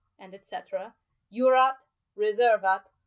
jurat, reservat.